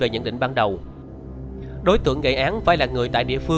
nhưng vẫn chưa đi làm tại đâu